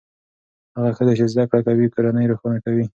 هغه ښځې چې زده کړې کوي کورنۍ روښانه کوي.